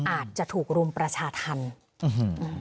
อาจจะถูกรุมประชาธรรมอืม